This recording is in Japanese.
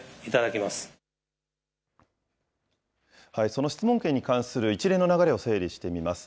その質問権に関する一連の流れを整理してみます。